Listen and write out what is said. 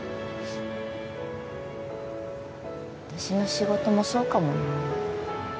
私の仕事もそうかもな。